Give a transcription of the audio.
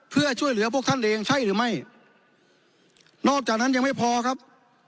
เพื่อช่วยเหลือพวกท่านเองใช่หรือไม่นอกจากนั้นยังไม่พอครับ